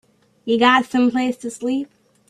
You got someplace to sleep?